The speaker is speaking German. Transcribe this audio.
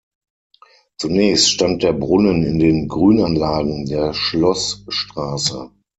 Zunächst stand der Brunnen in den Grünanlagen der Schloßstraße.